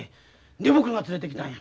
で僕が連れてきたんや。